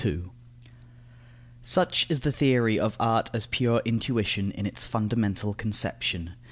II Such is the theory of art as pure intuition, in its fundamental conception.